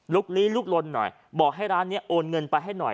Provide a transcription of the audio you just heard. ลี้ลุกลนหน่อยบอกให้ร้านนี้โอนเงินไปให้หน่อย